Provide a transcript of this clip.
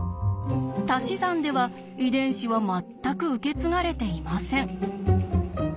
たし算では遺伝子は全く受け継がれていません。